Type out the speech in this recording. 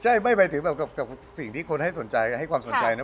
ใช่ไม่ไปถึงแบบกับสิ่งที่คนให้สนใจให้ความสนใจนะ